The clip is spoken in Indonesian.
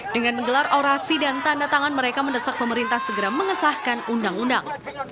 dengan menggelar orasi dan tanda tangan mereka mendesak pemerintah segera mengesahkan undang undang